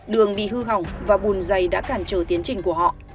đường bị hư hỏng và bùn dày đã cản trở tiến trình của họ